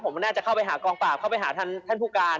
ผมน่าจะเข้าไปหากองปราบเข้าไปหาท่านผู้การ